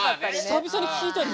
久々に聞いたよね